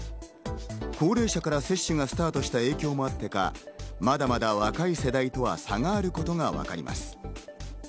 高齢者から接種がスタートした影響もあってか、まだまだ若い世代とは差があることがわかります。